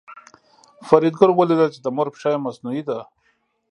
فریدګل ولیدل چې د مور پښه یې مصنوعي ده